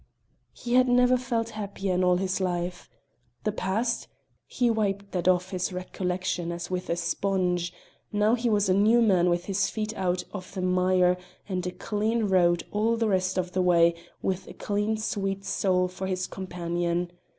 He had never felt happier in all his life. The past? he wiped that off his recollection as with a sponge; now he was a new man with his feet out of the mire and a clean road all the rest of the way, with a clean sweet soul for his companion.